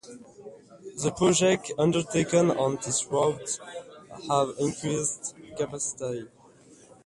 The projects undertaken on this route have increased capacity.